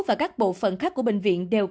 và các bộ phận khác của bệnh viện đều